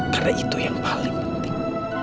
karena itu yang paling penting